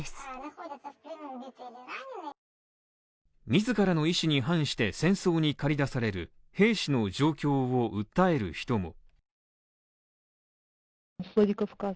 自らの意思に反して戦争に駆り出される兵士の状況を訴える人も。